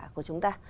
của chúng ta